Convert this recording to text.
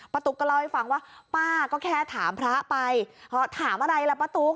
ตุ๊กก็เล่าให้ฟังว่าป้าก็แค่ถามพระไปถามอะไรล่ะป้าตุ๊ก